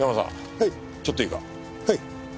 はい。